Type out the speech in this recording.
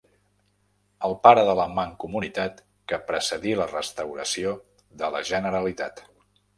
El pare de la Mancomunitat que precedí la restauració de la Generalitat.